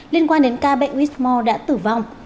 liên quan đến ca bệnh wismore đã tử vong